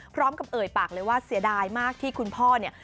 พร้อมกับเอ่ยปากเลยว่าเสียดายมากที่คุณพ่อเนี่ย